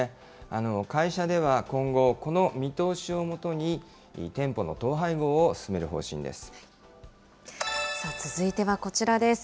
会社では今後、この見通しをもとに店舗の統廃合を進める方針です。